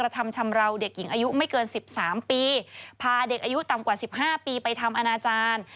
ทำชำราวเด็กหญิงอายุไม่เกินสิบสามปีพาเด็กอายุต่ำกว่าสิบห้าปีไปทำอนาจารย์